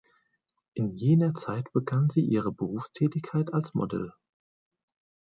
In jener Zeit begann sie ihre Berufstätigkeit als Model.